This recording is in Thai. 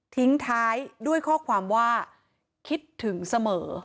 ทิ้งท้ายด้วยข้อความว่าคิดถึงเสมอ